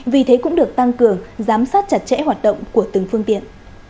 vì thế cũng được tăng cường giám sát chặt chẽ hoạt động của từng phương tiện